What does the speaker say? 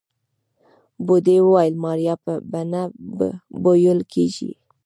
بوډۍ وويل ماريا به نه بيول کيږي.